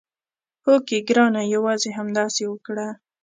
هوکې ګرانه یوازې همداسې وکړه.